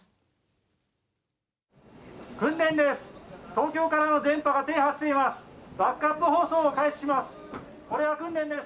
東京からの電波が停波しています。